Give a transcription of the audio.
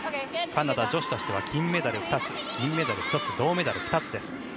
カナダ女子としては金メダル２つ銀メダル１つ銅メダル２つです。